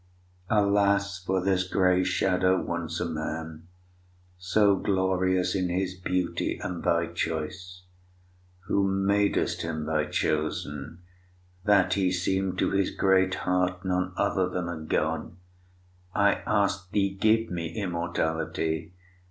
Alas! for this gray shadow, once a man So glorious in his beauty and thy choice, Who madest him thy chosen, that he seem'd To his great heart none other than a God! I ask'd thee, 'Give me immortality.'